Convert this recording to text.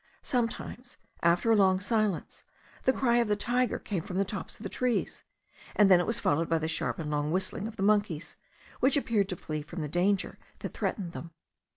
Sometimes, after a long silence, the cry of the tiger came from the tops of the trees; and then it was followed by the sharp and long whistling of the monkeys, which appeared to flee from the danger that threatened them.